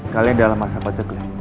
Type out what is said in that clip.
kalian dalam masa pencegilan